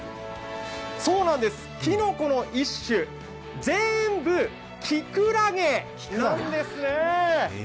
そうなんです、きのこの一種全部きくらげなんです。